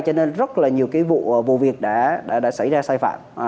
cho nên rất nhiều vụ việc đã xảy ra sai phạm